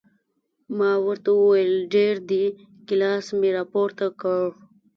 ما ورته وویل ډېر دي، ګیلاس مې را پورته کړ.